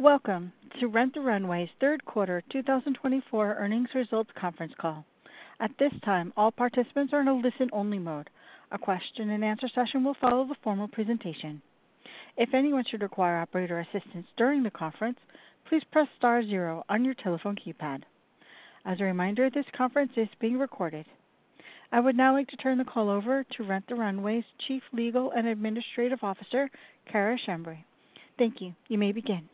Welcome to Rent the Runway's third quarter 2024 earnings results conference call. At this time, all participants are in a listen-only mode. A question-and-answer session will follow the formal presentation. If anyone should require operator assistance during the conference, please press star zero on your telephone keypad. As a reminder, this conference is being recorded. I would now like to turn the call over to Rent the Runway's Chief Legal and Administrative Officer, Cara Schembri. Thank you. You may begin.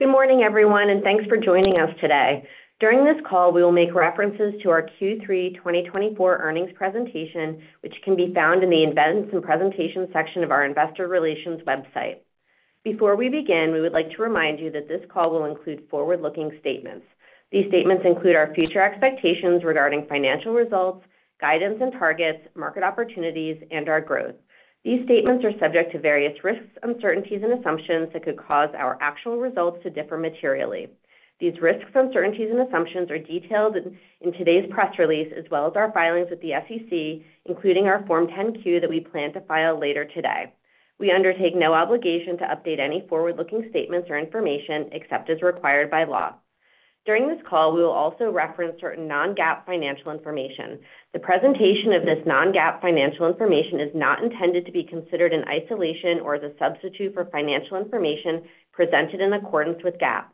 Good morning, everyone, and thanks for joining us today. During this call, we will make references to our Q3 2024 earnings presentation, which can be found in the Events and Presentations section of our Investor Relations website. Before we begin, we would like to remind you that this call will include forward-looking statements. These statements include our future expectations regarding financial results, guidance and targets, market opportunities, and our growth. These statements are subject to various risks, uncertainties, and assumptions that could cause our actual results to differ materially. These risks, uncertainties, and assumptions are detailed in today's press release, as well as our filings with the SEC, including our Form 10-Q that we plan to file later today. We undertake no obligation to update any forward-looking statements or information except as required by law. During this call, we will also reference certain non-GAAP financial information. The presentation of this non-GAAP financial information is not intended to be considered in isolation or as a substitute for financial information presented in accordance with GAAP.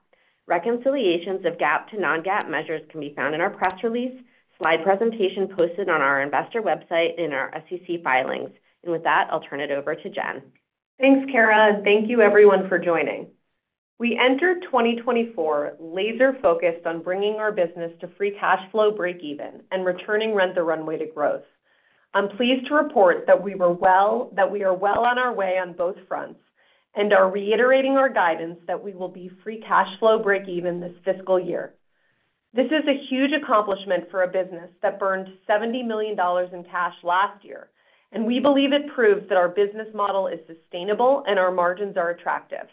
Reconciliations of GAAP to non-GAAP measures can be found in our press release, slide presentation posted on our investor website, and our SEC filings. And with that, I'll turn it over to Jen. Thanks, Cara, and thank you, everyone, for joining. We entered 2024 laser-focused on bringing our business to free cash flow break-even and returning Rent the Runway to growth. I'm pleased to report that we are well on our way on both fronts and are reiterating our guidance that we will be free cash flow break-even this fiscal year. This is a huge accomplishment for a business that burned $70 million in cash last year, and we believe it proves that our business model is sustainable and our margins are attractive.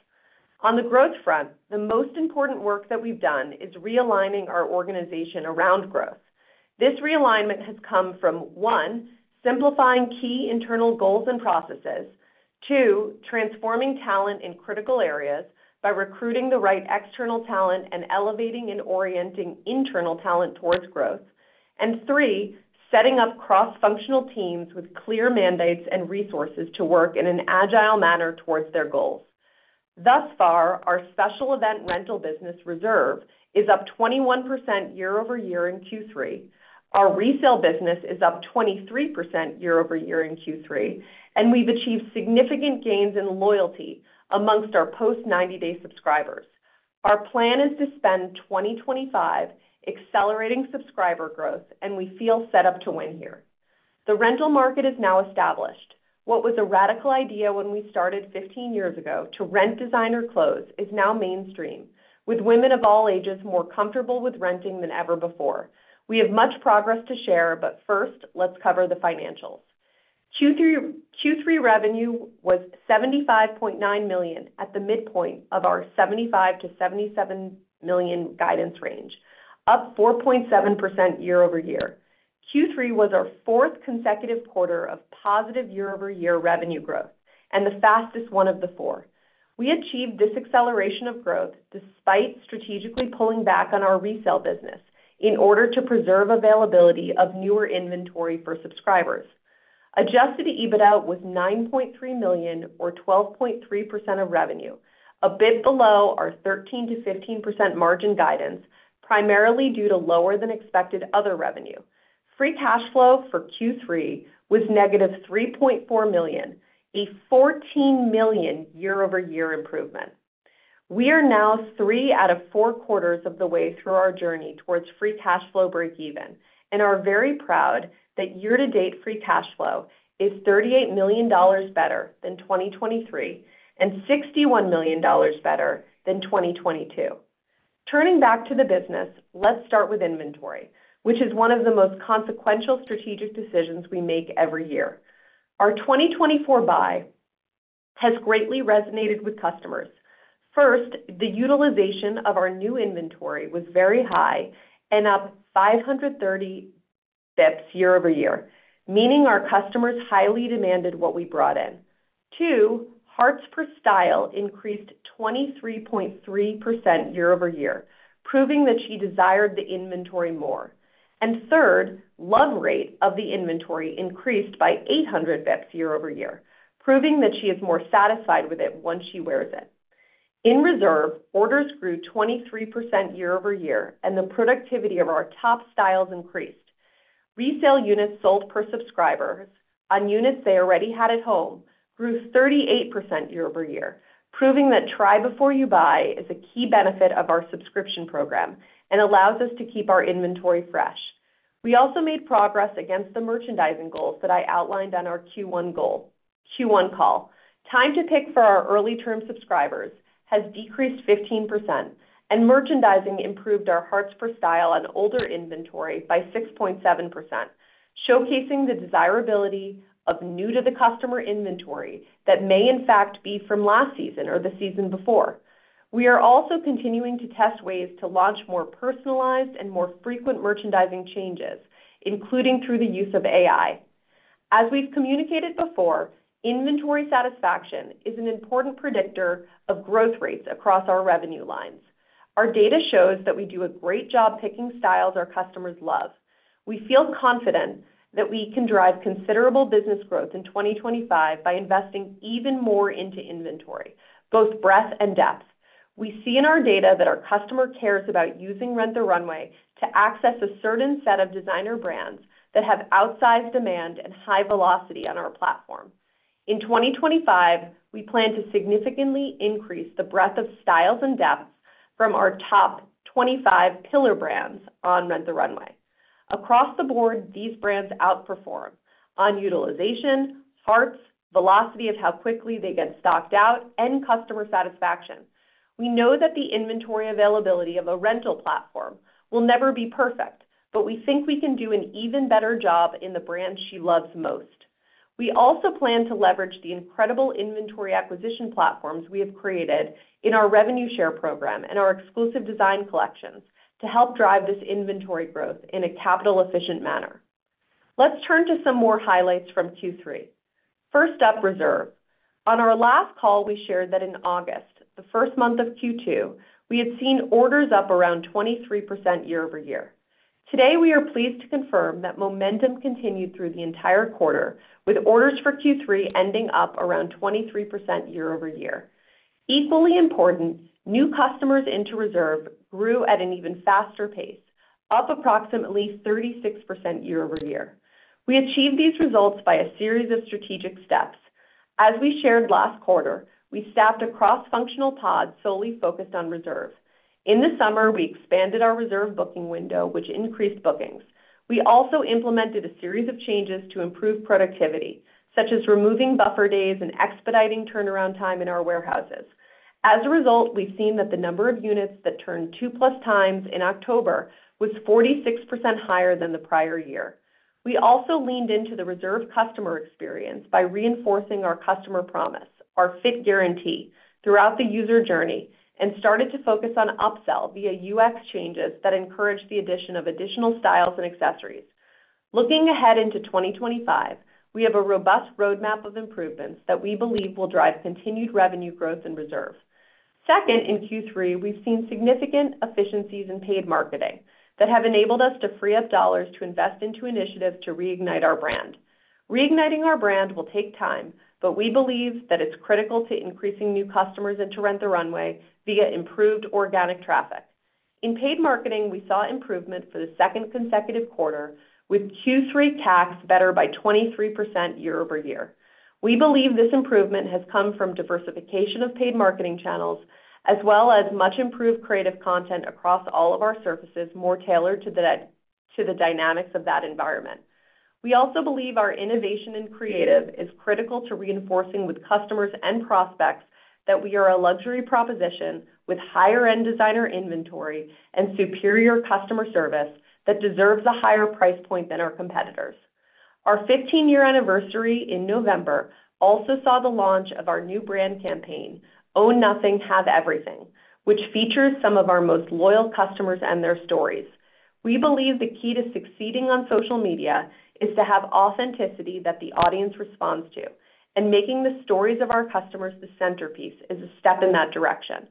On the growth front, the most important work that we've done is realigning our organization around growth. This realignment has come from, one, simplifying key internal goals and processes, two, transforming talent in critical areas by recruiting the right external talent and elevating and orienting internal talent towards growth, and three, setting up cross-functional teams with clear mandates and resources to work in an agile manner towards their goals. Thus far, our special event rental business Reserve is up 21% year-over-year in Q3. Our resale business is up 23% year-over-year in Q3, and we've achieved significant gains in loyalty among our post-90-day subscribers. Our plan is to spend 2025 accelerating subscriber growth, and we feel set up to win here. The rental market is now established. What was a radical idea when we started 15 years ago to rent designer clothes is now mainstream, with women of all ages more comfortable with renting than ever before. We have much progress to share, but first, let's cover the financials. Q3 revenue was $75.9 million at the midpoint of our $75-$77 million guidance range, up 4.7% year-over-year. Q3 was our fourth consecutive quarter of positive year-over-year revenue growth and the fastest one of the four. We achieved this acceleration of growth despite strategically pulling back on our resale business in order to preserve availability of newer inventory for subscribers. Adjusted EBITDA was $9.3 million, or 12.3% of revenue, a bit below our 13%-15% margin guidance, primarily due to lower-than-expected other revenue. Free cash flow for Q3 was negative $3.4 million, a $14 million year-over-year improvement. We are now three out of four quarters of the way through our journey towards free cash flow break-even, and are very proud that year-to-date free cash flow is $38 million better than 2023 and $61 million better than 2022. Turning back to the business, let's start with inventory, which is one of the most consequential strategic decisions we make every year. Our 2024 buy has greatly resonated with customers. First, the utilization of our new inventory was very high and up 530 basis points year-over-year, meaning our customers highly demanded what we brought in. Two, hearts per style increased 23.3% year-over-year, proving that she desired the inventory more. And third, love rate of the inventory increased by 800 basis points year-over-year, proving that she is more satisfied with it once she wears it. In Reserve, orders grew 23% year-over-year, and the productivity of our top styles increased. Resale units sold per subscriber on units they already had at home grew 38% year-over-year, proving that try-before-you-buy is a key benefit of our subscription program and allows us to keep our inventory fresh. We also made progress against the merchandising goals that I outlined on our Q1 call. Time to pick for our early-term subscribers has decreased 15%, and merchandising improved our hearts per style on older inventory by 6.7%, showcasing the desirability of new-to-the-customer inventory that may, in fact, be from last season or the season before. We are also continuing to test ways to launch more personalized and more frequent merchandising changes, including through the use of AI. As we've communicated before, inventory satisfaction is an important predictor of growth rates across our revenue lines. Our data shows that we do a great job picking styles our customers love. We feel confident that we can drive considerable business growth in 2025 by investing even more into inventory, both breadth and depth. We see in our data that our customer cares about using Rent the Runway to access a certain set of designer brands that have outsized demand and high velocity on our platform. In 2025, we plan to significantly increase the breadth of styles and depth from our top 25 pillar brands on Rent the Runway. Across the board, these brands outperform on utilization, hearts, velocity of how quickly they get stocked out, and customer satisfaction. We know that the inventory availability of a rental platform will never be perfect, but we think we can do an even better job in the brand she loves most. We also plan to leverage the incredible inventory acquisition platforms we have created in our revenue share program and our exclusive design collections to help drive this inventory growth in a capital-efficient manner. Let's turn to some more highlights from Q3. First up, Reserve. On our last call, we shared that in August, the first month of Q2, we had seen orders up around 23% year-over-year. Today, we are pleased to confirm that momentum continued through the entire quarter, with orders for Q3 ending up around 23% year-over-year. Equally important, new customers into Reserve grew at an even faster pace, up approximately 36% year-over-year. We achieved these results by a series of strategic steps. As we shared last quarter, we staffed a cross-functional pod solely focused on Reserve. In the summer, we expanded our Reserve booking window, which increased bookings. We also implemented a series of changes to improve productivity, such as removing buffer days and expediting turnaround time in our warehouses. As a result, we've seen that the number of units that turned two-plus times in October was 46% higher than the prior year. We also leaned into the Reserve customer experience by reinforcing our Customer Promise, our Fit Guarantee throughout the user journey, and started to focus on upsell via UX changes that encouraged the addition of additional styles and accessories. Looking ahead into 2025, we have a robust roadmap of improvements that we believe will drive continued revenue growth in Reserve. Second, in Q3, we've seen significant efficiencies in paid marketing that have enabled us to free up dollars to invest into initiatives to reignite our brand. Reigniting our brand will take time, but we believe that it's critical to increasing new customers into Rent the Runway via improved organic traffic. In paid marketing, we saw improvement for the second consecutive quarter, with Q3 CACs better by 23% year-over-year. We believe this improvement has come from diversification of paid marketing channels, as well as much-improved creative content across all of our surfaces more tailored to the dynamics of that environment. We also believe our innovation and creative is critical to reinforcing with customers and prospects that we are a luxury proposition with higher-end designer inventory and superior customer service that deserves a higher price point than our competitors. Our 15-year anniversary in November also saw the launch of our new brand campaign, "Own Nothing, Have Everything," which features some of our most loyal customers and their stories. We believe the key to succeeding on social media is to have authenticity that the audience responds to, and making the stories of our customers the centerpiece is a step in that direction.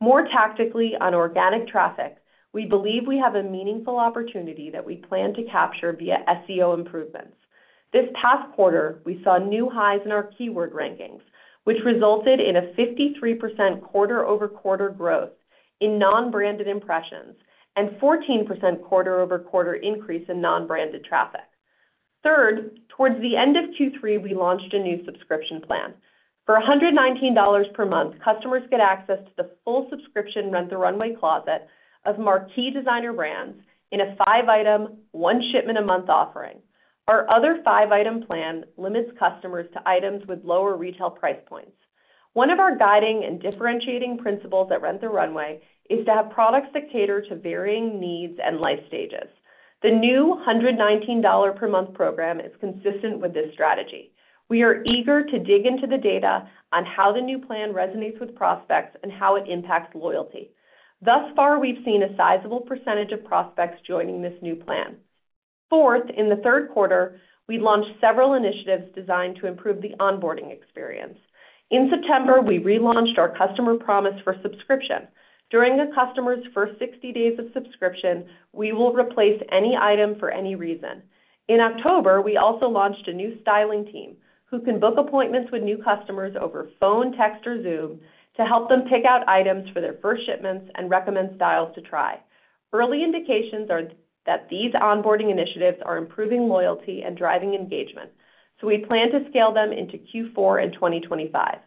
More tactically on organic traffic, we believe we have a meaningful opportunity that we plan to capture via SEO improvements. This past quarter, we saw new highs in our keyword rankings, which resulted in a 53% quarter-over-quarter growth in non-branded impressions and a 14% quarter-over-quarter increase in non-branded traffic. Third, towards the end of Q3, we launched a new subscription plan. For $119 per month, customers get access to the full subscription Rent the Runway closet of marquee designer brands in a five-item, one-shipment-a-month offering. Our other five-item plan limits customers to items with lower retail price points. One of our guiding and differentiating principles at Rent the Runway is to have products that cater to varying needs and life stages. The new $119 per month program is consistent with this strategy. We are eager to dig into the data on how the new plan resonates with prospects and how it impacts loyalty. Thus far, we've seen a sizable percentage of prospects joining this new plan. Fourth, in the third quarter, we launched several initiatives designed to improve the onboarding experience. In September, we relaunched our Customer Promise for subscription. During a customer's first 60 days of subscription, we will replace any item for any reason. In October, we also launched a new styling team who can book appointments with new customers over phone, text, or Zoom to help them pick out items for their first shipments and recommend styles to try. Early indications are that these onboarding initiatives are improving loyalty and driving engagement, so we plan to scale them into Q4 in 2025.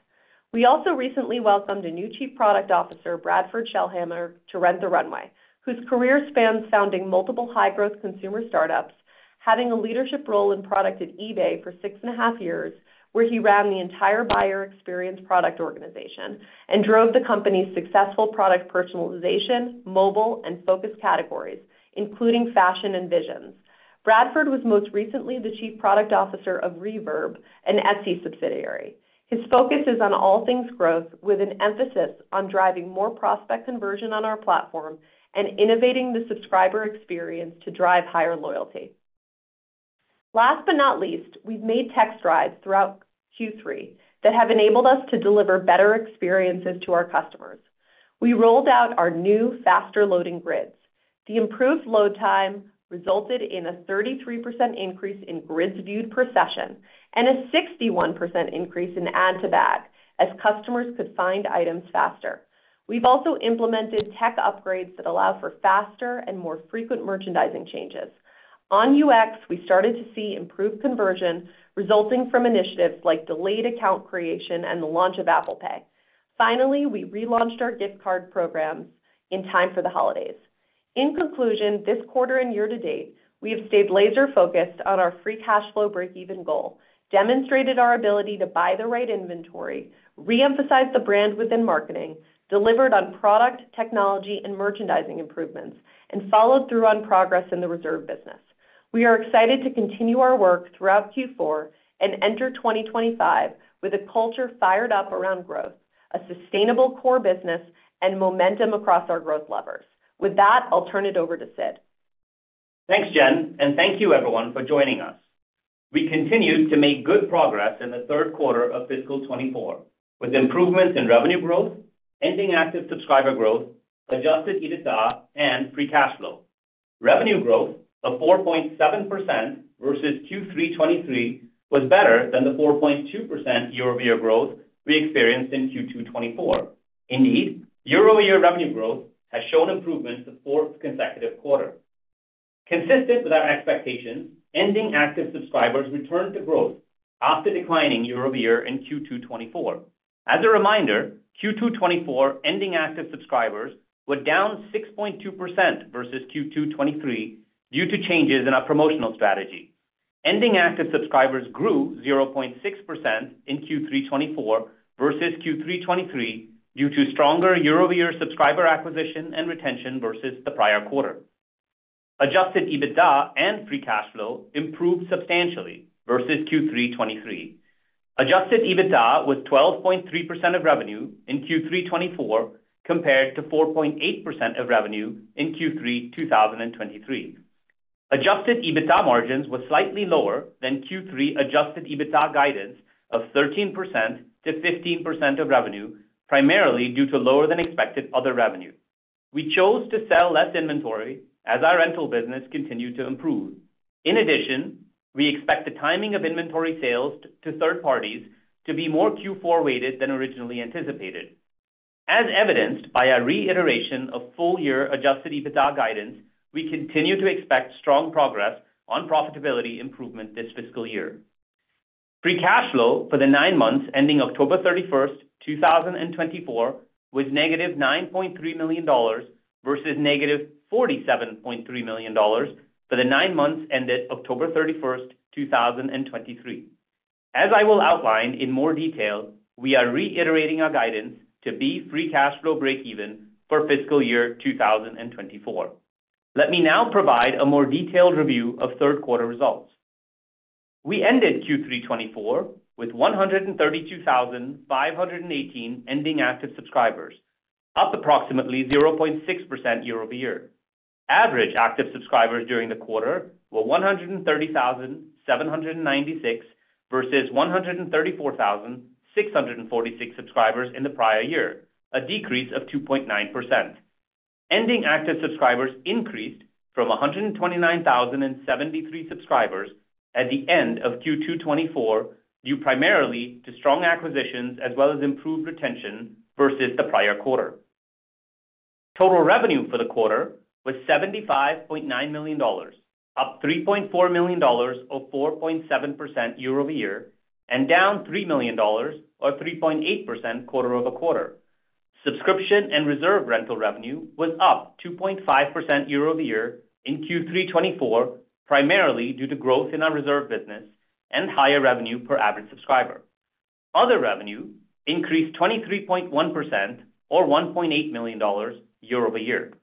We also recently welcomed a new Chief Product Officer, Bradford Schellhammer, to Rent the Runway, whose career spans founding multiple high-growth consumer startups, having a leadership role in product at eBay for six and a half years, where he ran the entire buyer experience product organization and drove the company's successful product personalization, mobile, and focus categories, including fashion and visions. Bradford was most recently the Chief Product Officer of Reverb, an Etsy subsidiary. His focus is on all things growth, with an emphasis on driving more prospect conversion on our platform and innovating the subscriber experience to drive higher loyalty. Last but not least, we've made tech strides throughout Q3 that have enabled us to deliver better experiences to our customers. We rolled out our new faster loading grids. The improved load time resulted in a 33% increase in grids viewed per session and a 61% increase in add-to-bag as customers could find items faster. We've also implemented tech upgrades that allow for faster and more frequent merchandising changes. On UX, we started to see improved conversion resulting from initiatives like delayed account creation and the launch of Apple Pay. Finally, we relaunched our gift card programs in time for the holidays. In conclusion, this quarter and year to date, we have stayed laser-focused on our free cash flow break-even goal, demonstrated our ability to buy the right inventory, reemphasized the brand within marketing, delivered on product, technology, and merchandising improvements, and followed through on progress in the reserve business. We are excited to continue our work throughout Q4 and enter 2025 with a culture fired up around growth, a sustainable core business, and momentum across our growth levers. With that, I'll turn it over to Sid. Thanks, Jen, and thank you, everyone, for joining us. We continued to make good progress in the third quarter of fiscal 2024, with improvements in revenue growth, ending active subscriber growth, Adjusted EBITDA, and free cash flow. Revenue growth of 4.7% versus Q3 2023 was better than the 4.2% year-over-year growth we experienced in Q2 2024. Indeed, year-over-year revenue growth has shown improvements the fourth consecutive quarter. Consistent with our expectations, ending active subscribers returned to growth after declining year-over-year in Q2 2024. As a reminder, Q2 2024 ending active subscribers were down 6.2% versus Q2 2023 due to changes in our promotional strategy. Ending active subscribers grew 0.6% in Q3 2024 versus Q3 2023 due to stronger year-over-year subscriber acquisition and retention versus the prior quarter. Adjusted EBITDA and free cash flow improved substantially versus Q3 2023. Adjusted EBITDA was 12.3% of revenue in Q3 2024 compared to 4.8% of revenue in Q3 2023. Adjusted EBITDA margins were slightly lower than Q3 adjusted EBITDA guidance of 13%-15% of revenue, primarily due to lower-than-expected other revenue. We chose to sell less inventory as our rental business continued to improve. In addition, we expect the timing of inventory sales to third parties to be more Q4-weighted than originally anticipated. As evidenced by our reiteration of full-year adjusted EBITDA guidance, we continue to expect strong progress on profitability improvement this fiscal year. Free cash flow for the nine months ending October 31, 2024, was negative $9.3 million versus negative $47.3 million for the nine months ended October 31, 2023. As I will outline in more detail, we are reiterating our guidance to be free cash flow break-even for fiscal year 2024. Let me now provide a more detailed review of third-quarter results. We ended Q3 2024 with 132,518 ending active subscribers, up approximately 0.6% year-over-year. Average active subscribers during the quarter were 130,796 versus 134,646 subscribers in the prior year, a decrease of 2.9%. Ending active subscribers increased from 129,073 subscribers at the end of Q2 2024 due primarily to strong acquisitions as well as improved retention versus the prior quarter. Total revenue for the quarter was $75.9 million, up $3.4 million or 4.7% year-over-year, and down $3 million or 3.8% quarter-over-quarter. Subscription and reserve rental revenue was up 2.5% year-over-year in Q3 2024, primarily due to growth in our reserve business and higher revenue per average subscriber. Other revenue increased 23.1% or $1.8 million year-over-year.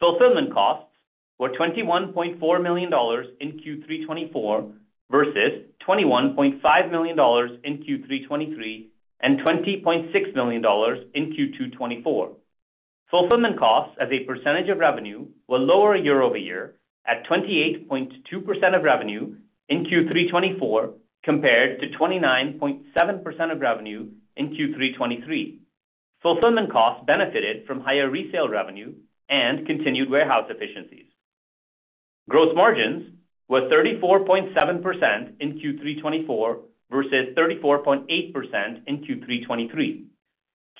Fulfillment costs were $21.4 million in Q3 2024 versus $21.5 million in Q3 2023 and $20.6 million in Q2 2024. Fulfillment costs as a percentage of revenue were lower year-over-year at 28.2% of revenue in Q3 2024 compared to 29.7% of revenue in Q3 2023. Fulfillment costs benefited from higher resale revenue and continued warehouse efficiencies. Gross margins were 34.7% in Q3 2024 versus 34.8% in Q3 2023.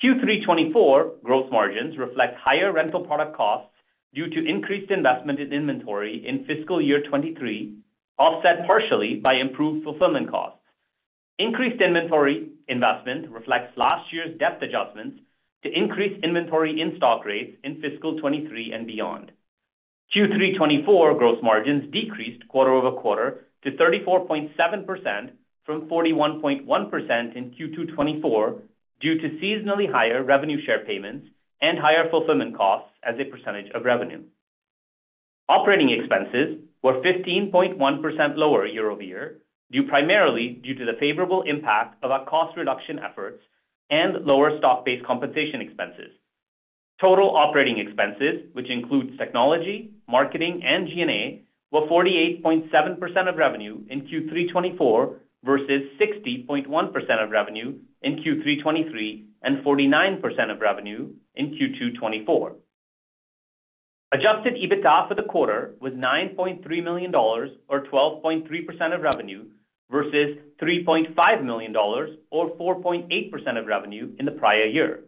Q3 2024 gross margins reflect higher rental product costs due to increased investment in inventory in fiscal year 2023, offset partially by improved fulfillment costs. Increased inventory investment reflects last year's debt adjustments to increase inventory in stock rates in fiscal 2023 and beyond. Q3 2024 gross margins decreased quarter-over-quarter to 34.7% from 41.1% in Q2 2024 due to seasonally higher revenue share payments and higher fulfillment costs as a percentage of revenue. Operating expenses were 15.1% lower year-over-year primarily due to the favorable impact of our cost reduction efforts and lower stock-based compensation expenses. Total operating expenses, which includes technology, marketing, and G&A, were 48.7% of revenue in Q3 2024 versus 60.1% of revenue in Q3 2023 and 49% of revenue in Q2 2024. Adjusted EBITDA for the quarter was $9.3 million or 12.3% of revenue versus $3.5 million or 4.8% of revenue in the prior year.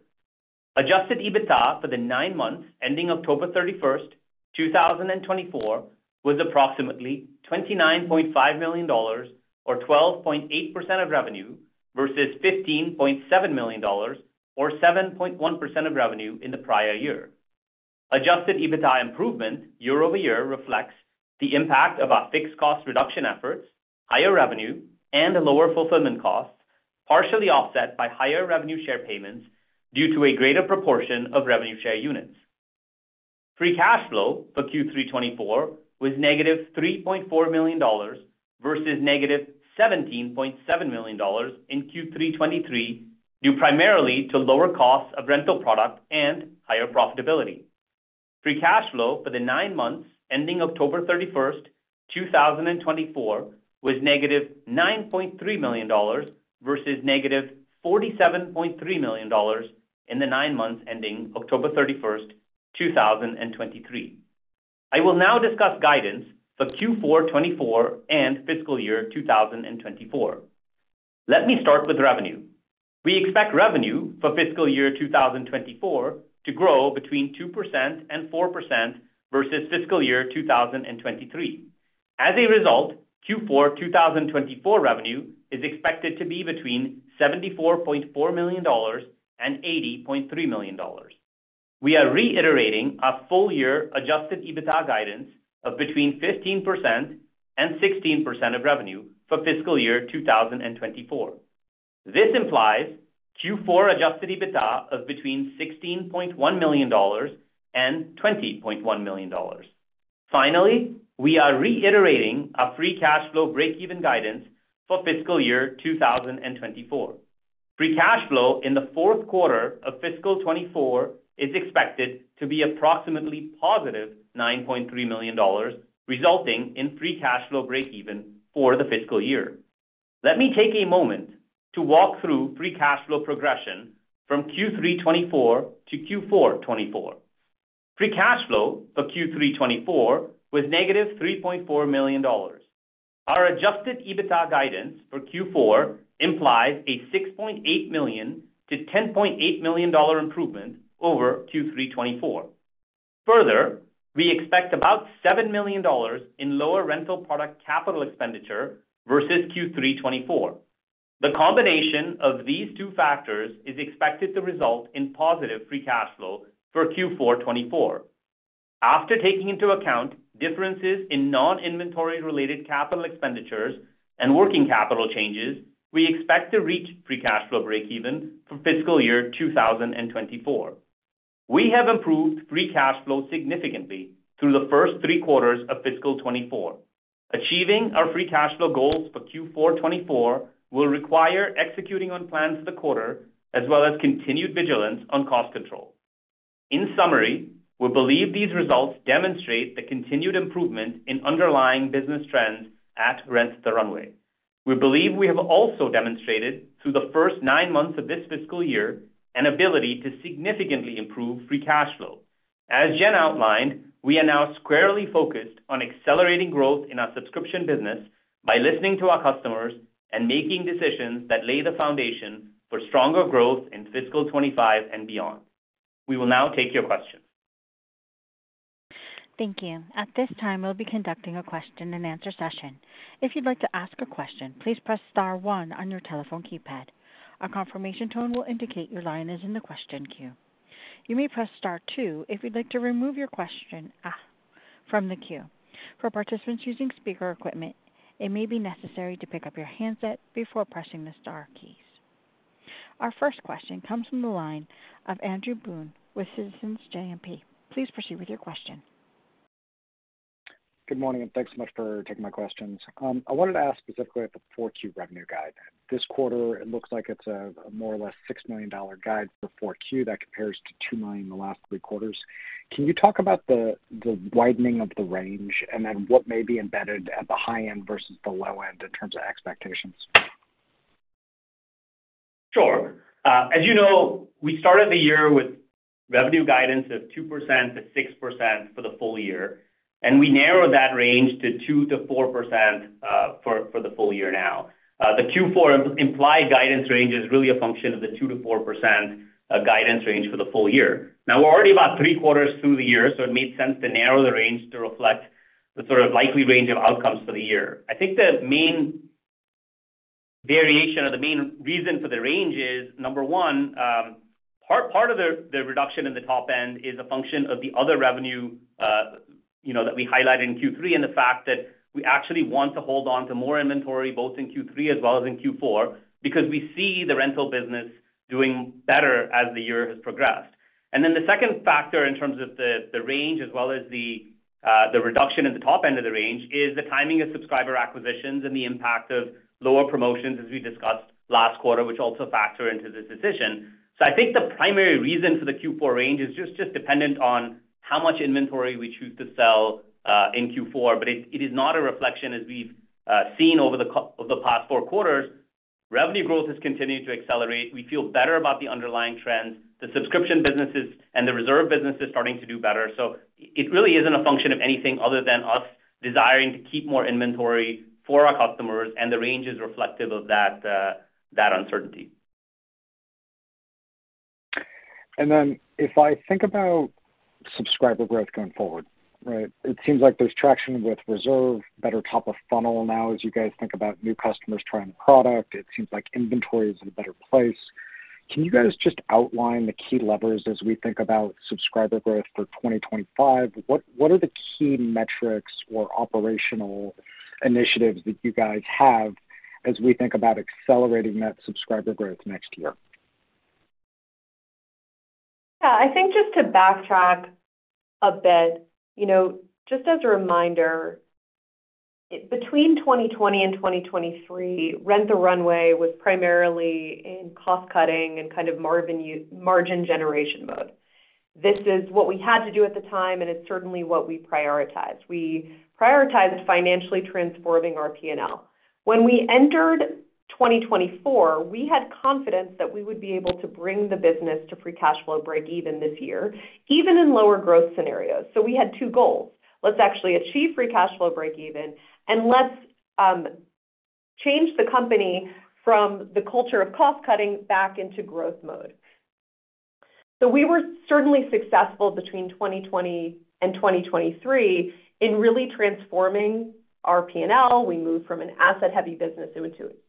Adjusted EBITDA for the nine months ending October 31, 2024, was approximately $29.5 million or 12.8% of revenue versus $15.7 million or 7.1% of revenue in the prior year. Adjusted EBITDA improvement year-over-year reflects the impact of our fixed cost reduction efforts, higher revenue, and lower fulfillment costs, partially offset by higher revenue share payments due to a greater proportion of revenue share units. Free cash flow for Q3 2024 was negative $3.4 million versus negative $17.7 million in Q3 2023 due primarily to lower costs of rental product and higher profitability. Free cash flow for the nine months ending October 31, 2024, was negative $9.3 million versus negative $47.3 million in the nine months ending October 31, 2023. I will now discuss guidance for Q4 2024 and fiscal year 2024. Let me start with revenue. We expect revenue for fiscal year 2024 to grow between 2% and 4% versus fiscal year 2023. As a result, Q4 2024 revenue is expected to be between $74.4 million and $80.3 million. We are reiterating our full-year adjusted EBITDA guidance of between 15% and 16% of revenue for fiscal year 2024. This implies Q4 adjusted EBITDA of between $16.1 million and $20.1 million. Finally, we are reiterating our free cash flow break-even guidance for fiscal year 2024. Free cash flow in the fourth quarter of fiscal 2024 is expected to be approximately positive $9.3 million, resulting in free cash flow break-even for the fiscal year. Let me take a moment to walk through free cash flow progression from Q3 2024 to Q4 2024. Free cash flow for Q3 2024 was negative $3.4 million. Our adjusted EBITDA guidance for Q4 implies a $6.8 million to $10.8 million improvement over Q3 2024. Further, we expect about $7 million in lower rental product capital expenditure versus Q3 2024. The combination of these two factors is expected to result in positive free cash flow for Q4 2024. After taking into account differences in non-inventory-related capital expenditures and working capital changes, we expect to reach free cash flow break-even for fiscal year 2024. We have improved free cash flow significantly through the first three quarters of fiscal 2024. Achieving our free cash flow goals for Q4 2024 will require executing on plans for the quarter, as well as continued vigilance on cost control. In summary, we believe these results demonstrate the continued improvement in underlying business trends at Rent the Runway. We believe we have also demonstrated, through the first nine months of this fiscal year, an ability to significantly improve free cash flow. As Jen outlined, we are now squarely focused on accelerating growth in our subscription business by listening to our customers and making decisions that lay the foundation for stronger growth in fiscal 2025 and beyond. We will now take your questions. Thank you. At this time, we'll be conducting a question-and-answer session. If you'd like to ask a question, please press star one on your telephone keypad. A confirmation tone will indicate your line is in the question queue. You may press star two if you'd like to remove your question from the queue. For participants using speaker equipment, it may be necessary to pick up your handset before pressing the star keys. Our first question comes from the line of Andrew Boone with Citizens JMP. Please proceed with your question. Good morning, and thanks so much for taking my questions. I wanted to ask specifically about the 4Q revenue guide. This quarter, it looks like it's a more or less $6 million guide for 4Q that compares to $2 million in the last three quarters. Can you talk about the widening of the range and then what may be embedded at the high end versus the low end in terms of expectations? Sure. As you know, we started the year with revenue guidance of 2%-6% for the full year, and we narrowed that range to 2%-4% for the full year now. The Q4 implied guidance range is really a function of the 2%-4% guidance range for the full year. Now, we're already about three quarters through the year, so it made sense to narrow the range to reflect the sort of likely range of outcomes for the year. I think the main variation or the main reason for the range is, number one, part of the reduction in the top end is a function of the other revenue that we highlighted in Q3 and the fact that we actually want to hold on to more inventory, both in Q3 as well as in Q4, because we see the rental business doing better as the year has progressed. And then the second factor in terms of the range, as well as the reduction in the top end of the range, is the timing of subscriber acquisitions and the impact of lower promotions, as we discussed last quarter, which also factor into this decision. So I think the primary reason for the Q4 range is just dependent on how much inventory we choose to sell in Q4, but it is not a reflection, as we've seen over the past four quarters. Revenue growth has continued to accelerate. We feel better about the underlying trends. The subscription businesses and the reserve businesses are starting to do better. So it really isn't a function of anything other than us desiring to keep more inventory for our customers, and the range is reflective of that uncertainty. And then if I think about subscriber growth going forward, right, it seems like there's traction with reserve, better top-of-funnel now as you guys think about new customers trying the product. It seems like inventory is in a better place. Can you guys just outline the key levers as we think about subscriber growth for 2025? What are the key metrics or operational initiatives that you guys have as we think about accelerating that subscriber growth next year? Yeah. I think just to backtrack a bit, just as a reminder, between 2020 and 2023, Rent the Runway was primarily in cost-cutting and kind of margin generation mode. This is what we had to do at the time, and it's certainly what we prioritized. We prioritized financially transforming our P&L. When we entered 2024, we had confidence that we would be able to bring the business to free cash flow break-even this year, even in lower growth scenarios. So we had two goals. Let's actually achieve free cash flow break-even, and let's change the company from the culture of cost-cutting back into growth mode. So we were certainly successful between 2020 and 2023 in really transforming our P&L. We moved from an asset-heavy business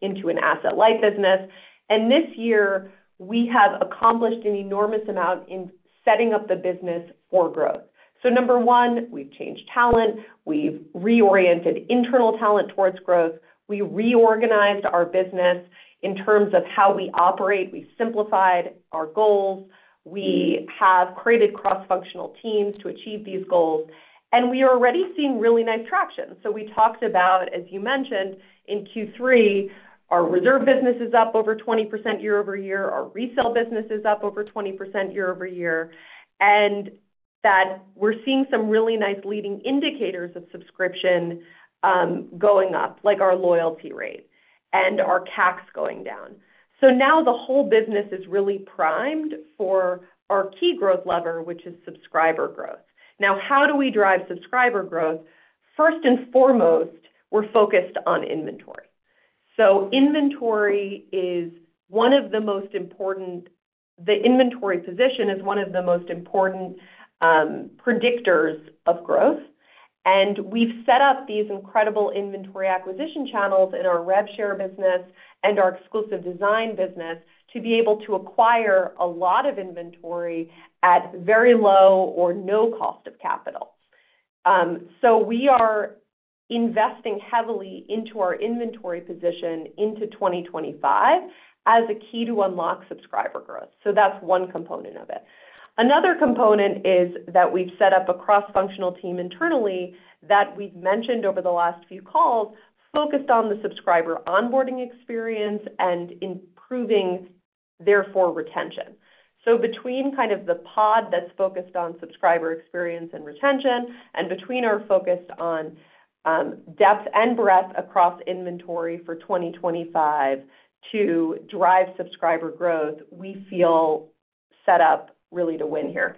into an asset-light business, and this year, we have accomplished an enormous amount in setting up the business for growth, so number one, we've changed talent. We've reoriented internal talent towards growth. We reorganized our business in terms of how we operate. We simplified our goals. We have created cross-functional teams to achieve these goals, and we are already seeing really nice traction, so we talked about, as you mentioned, in Q3, our reserve business is up over 20% year-over-year. Our resale business is up over 20% year-over-year, and that we're seeing some really nice leading indicators of subscription going up, like our loyalty rate and our CACs going down, so now the whole business is really primed for our key growth lever, which is subscriber growth. Now, how do we drive subscriber growth? First and foremost, we're focused on inventory. Inventory is one of the most important, the inventory position is one of the most important predictors of growth. And we've set up these incredible inventory acquisition channels in our rev share business and our exclusive design business to be able to acquire a lot of inventory at very low or no cost of capital. So we are investing heavily into our inventory position into 2025 as a key to unlock subscriber growth. So that's one component of it. Another component is that we've set up a cross-functional team internally that we've mentioned over the last few calls, focused on the subscriber onboarding experience and improving, therefore, retention. So between kind of the pod that's focused on subscriber experience and retention and between our focus on depth and breadth across inventory for 2025 to drive subscriber growth, we feel set up really to win here.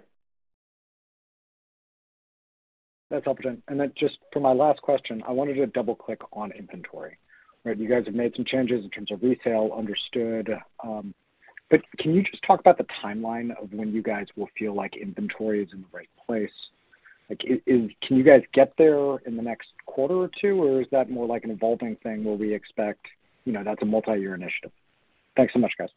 That's helpful. And then just for my last question, I wanted to double-click on inventory. You guys have made some changes in terms of resale, understood. But can you just talk about the timeline of when you guys will feel like inventory is in the right place? Can you guys get there in the next quarter or two, or is that more like an evolving thing where we expect that's a multi-year initiative? Thanks so much, guys.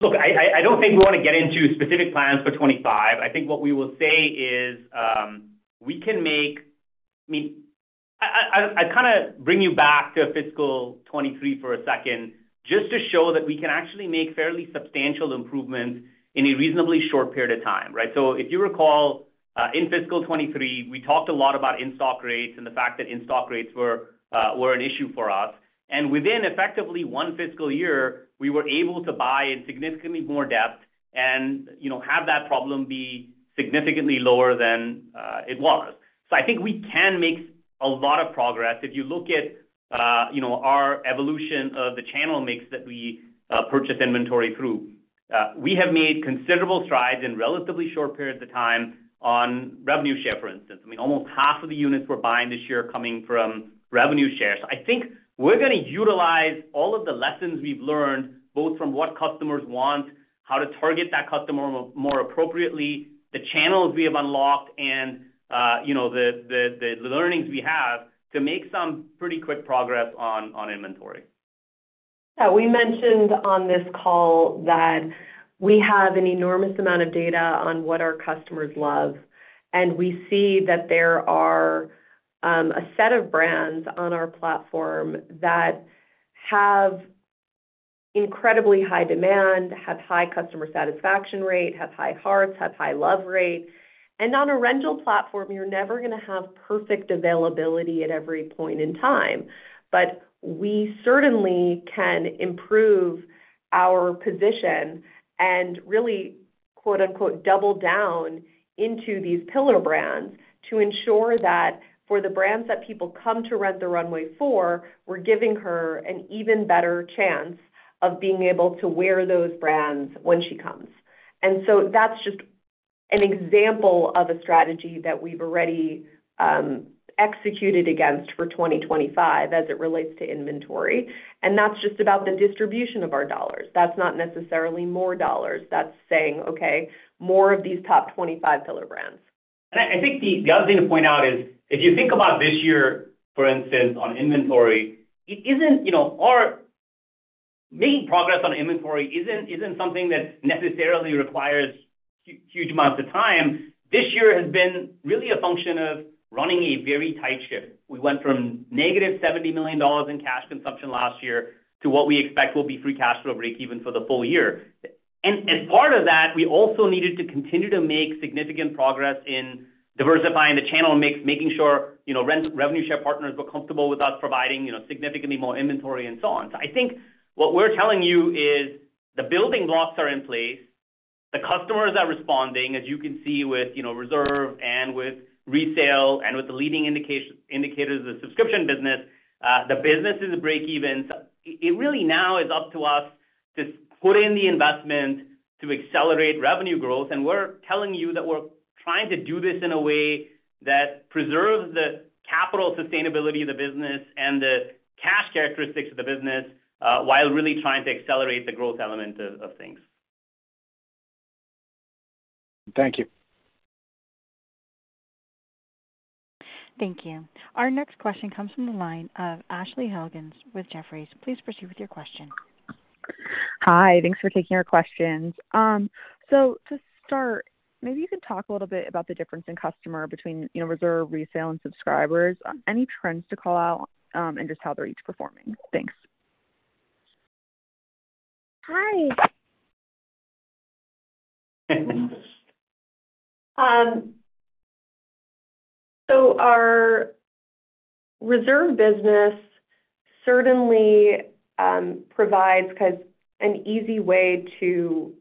Look, I don't think we want to get into specific plans for 2025. I think what we will say is we can make. I mean, I kind of bring you back to fiscal 2023 for a second, just to show that we can actually make fairly substantial improvements in a reasonably short period of time. So if you recall, in fiscal 2023, we talked a lot about in-stock rates and the fact that in-stock rates were an issue for us. And within effectively one fiscal year, we were able to buy in significantly more depth and have that problem be significantly lower than it was. So I think we can make a lot of progress. If you look at our evolution of the channel mix that we purchase inventory through, we have made considerable strides in relatively short periods of time on revenue share, for instance. I mean, almost half of the units we're buying this year are coming from revenue shares. I think we're going to utilize all of the lessons we've learned, both from what customers want, how to target that customer more appropriately, the channels we have unlocked, and the learnings we have to make some pretty quick progress on inventory. Yeah. We mentioned on this call that we have an enormous amount of data on what our customers love. And we see that there are a set of brands on our platform that have incredibly high demand, have high customer satisfaction rate, have high hearts, have high love rate. And on a rental platform, you're never going to have perfect availability at every point in time. But we certainly can improve our position and really "double down" into these pillar brands to ensure that for the brands that people come to Rent the Runway for, we're giving her an even better chance of being able to wear those brands when she comes. And so that's just an example of a strategy that we've already executed against for 2025 as it relates to inventory. And that's just about the distribution of our dollars. That's not necessarily more dollars. That's saying, "Okay, more of these top 25 pillar brands." And I think the other thing to point out is if you think about this year, for instance, on inventory, it isn't. Our making progress on inventory isn't something that necessarily requires huge amounts of time. This year has been really a function of running a very tight shift. We went from negative $70 million in cash consumption last year to what we expect will be free cash flow break-even for the full year. And as part of that, we also needed to continue to make significant progress in diversifying the channel mix, making sure revenue share partners were comfortable with us providing significantly more inventory and so on. So I think what we're telling you is the building blocks are in place. The customers are responding, as you can see with Reserve and with resale and with the leading indicators of the subscription business. The business is at break-even. It really now is up to us to put in the investment to accelerate revenue growth. And we're telling you that we're trying to do this in a way that preserves the capital sustainability of the business and the cash characteristics of the business while really trying to accelerate the growth element of things. Thank you. Thank you. Our next question comes from the line of Ashley Helgans with Jefferies. Please proceed with your question. Hi. Thanks for taking our questions. So to start, maybe you can talk a little bit about the difference in customer between reserve, resale, and subscribers, any trends to call out, and just how they're each performing. Thanks. Hi. Our Reserve business certainly provides an easy way to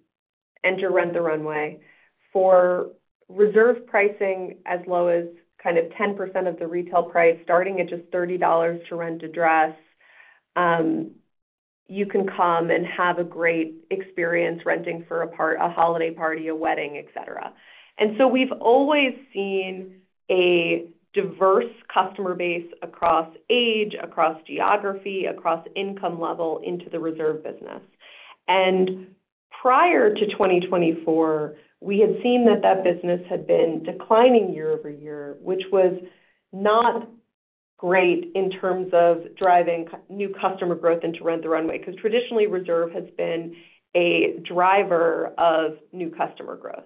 enter Rent the Runway for Reserve pricing as low as kind of 10% of the retail price, starting at just $30 to rent a dress. You can come and have a great experience renting for a holiday party, a wedding, etc. We've always seen a diverse customer base across age, across geography, across income level into the Reserve business. Prior to 2024, we had seen that that business had been declining year over year, which was not great in terms of driving new customer growth into Rent the Runway because traditionally, Reserve has been a driver of new customer growth.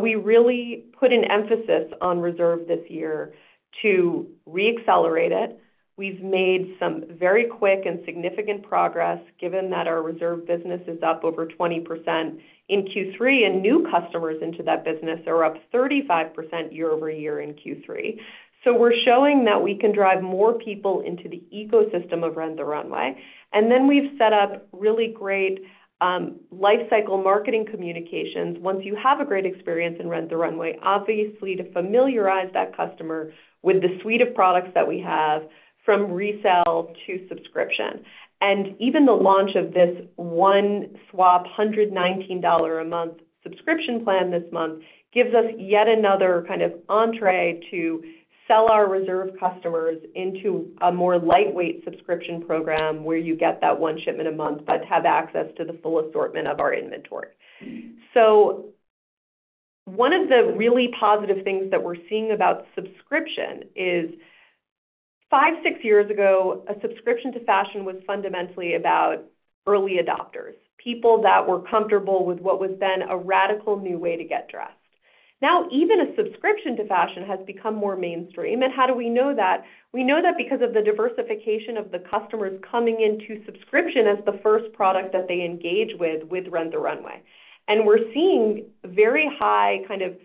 We really put an emphasis on Reserve this year to re-accelerate it. We've made some very quick and significant progress given that our Reserve business is up over 20% in Q3, and new customers into that business are up 35% year over year in Q3, so we're showing that we can drive more people into the ecosystem of Rent the Runway. And then we've set up really great lifecycle marketing communications. Once you have a great experience in Rent the Runway, obviously, to familiarize that customer with the suite of products that we have from resale to subscription, and even the launch of this one swap, $119 a month subscription plan this month gives us yet another kind of entree to sell our Reserve customers into a more lightweight subscription program where you get that one shipment a month, but have access to the full assortment of our inventory. So one of the really positive things that we're seeing about subscription is five, six years ago, a subscription to fashion was fundamentally about early adopters, people that were comfortable with what was then a radical new way to get dressed. Now, even a subscription to fashion has become more mainstream. And how do we know that? We know that because of the diversification of the customers coming into subscription as the first product that they engage with Rent the Runway. And we're seeing very high kind of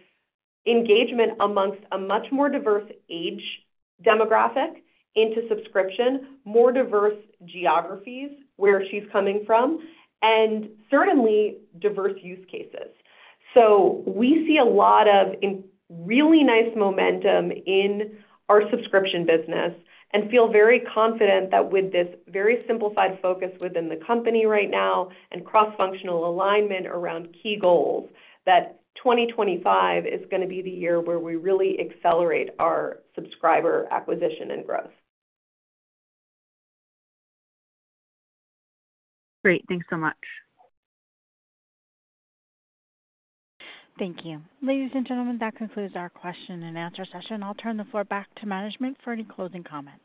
engagement amongst a much more diverse age demographic into subscription, more diverse geographies where she's coming from, and certainly diverse use cases. So we see a lot of really nice momentum in our subscription business and feel very confident that with this very simplified focus within the company right now and cross-functional alignment around key goals, that 2025 is going to be the year where we really accelerate our subscriber acquisition and growth. Great. Thanks so much. Thank you. Ladies and gentlemen, that concludes our question and answer session. I'll turn the floor back to management for any closing comments.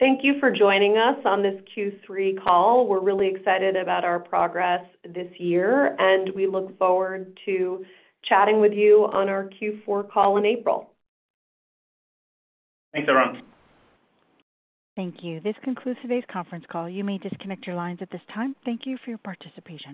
Thank you for joining us on this Q3 call. We're really excited about our progress this year, and we look forward to chatting with you on our Q4 call in April. Thanks, everyone. Thank you. This concludes today's conference call. You may disconnect your lines at this time. Thank you for your participation.